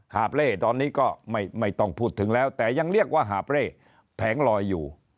หาบเล่ตอนนี้ก็ไม่ต้องพูดถึงแล้วแต่ยังเรียกว่าหาบเร่แผงลอยอยู่